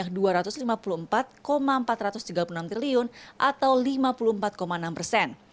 anggaran yang berasal dari kpbu adalah yang terbesar yakni sebanyak dua ratus lima puluh empat empat ratus tiga puluh enam triliun atau lima puluh empat enam persen